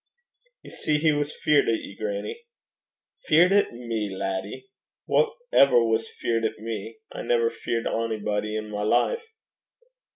'Ye see he was feart at ye, grannie.' 'Feart at me, laddie! Wha ever was feart at me? I never feart onybody i' my life.'